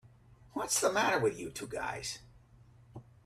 What's the matter with you two guys?